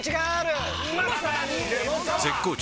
絶好調！！